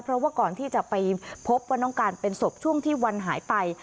เพราะว่าก่อนที่จะไปพบว่าน้องการเป็นศพช่วงที่วันหายไป